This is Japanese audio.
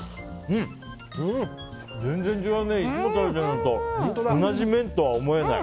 全然違うね、いつも食べてるのと同じ麺とは思えない。